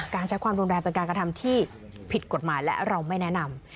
การใช้ความรุนแรงเป็นการกระทำที่ผิดกฎหมายและเราไม่แนะนำ